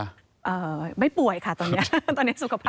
เอ่อไม่ป่วยค่ะตอนนี้ตอนนี้สุขภาพดี